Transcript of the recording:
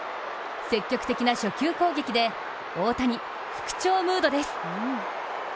積極的な初球攻撃で大谷復調ムードです。